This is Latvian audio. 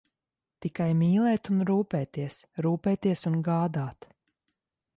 Tikai mīlēt un rūpēties, rūpēties un gādāt.